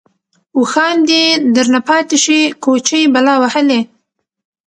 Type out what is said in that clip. اوښـان دې درنه پاتې شي كوچـۍ بلا وهلې.